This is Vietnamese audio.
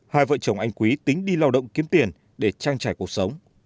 hai vợ chồng anh quý tính đi lao động kiếm tiền để trang trải cuộc sống